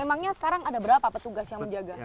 emangnya sekarang ada berapa petugas yang menjaga